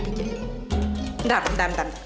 bentar bentar bentar